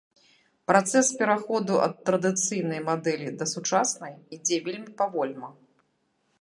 Працэс пераходу ад традыцыйнай мадэлі да сучаснай ідзе вельмі павольна.